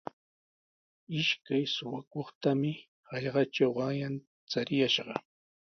Ishkay suqakuqtami hallaqatraw qanyan chariyashqa.